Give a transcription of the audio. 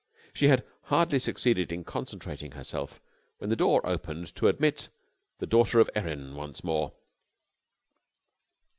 She had hardly succeeded in concentrating herself when the door opened to admit the daughter of Erin once more.